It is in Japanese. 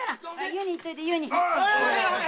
湯に行っといで湯に。